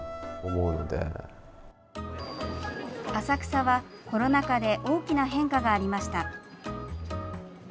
浅草は、コロナ禍で大きな変化がありました。